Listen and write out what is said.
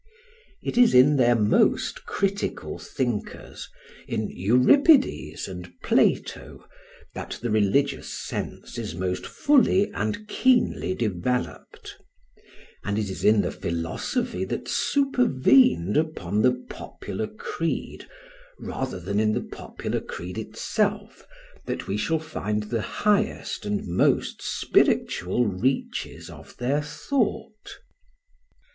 It is in their most critical thinkers, in Euripides and Plato, that the religious sense is most fully and keenly developed; and it is in the philosophy that supervened upon the popular creed, rather than in the popular creed itself, that we shall find the highest and most spiritual reaches of their thought.